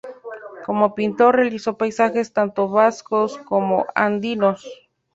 Como pintor, realizó paisajes tanto vascos como andinos.